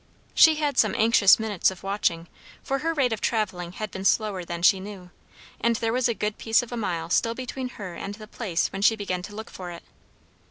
She had some anxious minutes of watching, for her rate of travelling had been slower than she knew, and there was a good piece of a mile still between her and the place when she began to look for it.